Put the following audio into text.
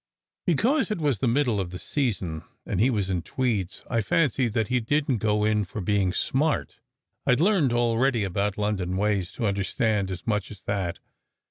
Because it was the middle of the season and he was in tweeds, I fancied that he didn t go in for being "smart." I d learned enough already about London ways to under stand as much as that.